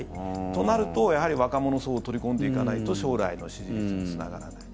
となると、やはり若者層を取り込んでいかないと将来の支持率につながらない。